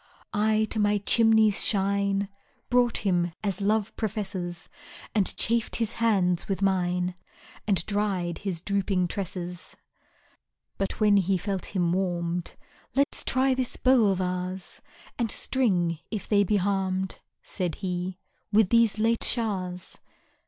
I to my chimney's shine Brought him, as Love professes, And chafed his hands with mine, And dried his drooping tresses. But when he felt him warm'd: Let's try this bow of ours, And string, if they be harm'd, Said he, with these late showers.